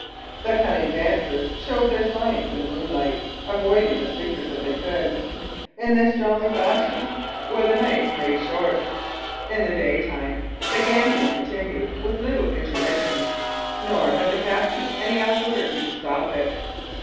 The cunning dancers showed their science in the moonlight, avoiding the sleepers if they could. In this jolly fashion were the nights made short. In the daytime, the gambling continued with little intermission; nor had the captain any authority to stop it.